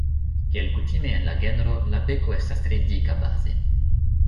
Kiel kutime en la genro, la beko estas tre dika baze.